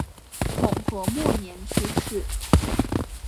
统和末年去世。